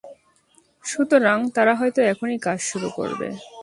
সুতরাং, তারা হয়তো এখনই কাজ শুরু করবে।